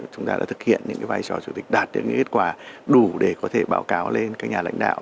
chúng ta đã thực hiện những vai trò chủ tịch đạt được những kết quả đủ để có thể báo cáo lên các nhà lãnh đạo